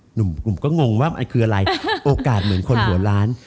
หนุ่มก็งงว่ามันคืออะไรโอกาสเหมือนคนหัวล้าน